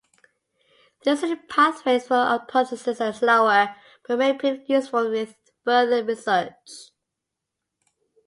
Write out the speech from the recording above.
These hidden pathways for apoptosis are slower, but may prove useful with further research.